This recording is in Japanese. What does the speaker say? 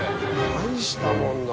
大したもんだな